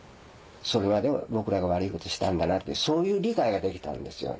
それはでも僕らが悪いことしたんだなってそういう理解ができたんですよ